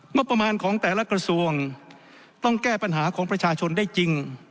งบประมาณของแต่ละกระทรวงต้องแก้ปัญหาของประชาชนได้จริง